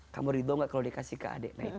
kamu rido nggak kalau dikasih ke adik